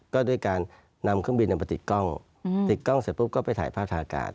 ก็ด้วยการนำเครื่องบินมาติดกล้องติดกล้องเสร็จปุ๊บก็ไปถ่ายภาพทางอากาศ